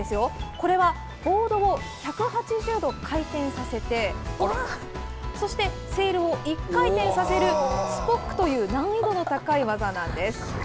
これは、ボードを１８０度回転させて、そしてセールを１回転させる、スポックという難易度の高い技なんです。